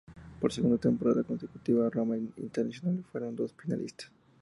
Por segunda temporada consecutiva, Roma e Internazionale fueron los finalistas.